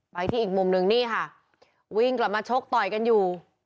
ไปที่อีกมุมหนึ่งนี่ค่ะวิ่งกลับมาชกต่อยกันอยู่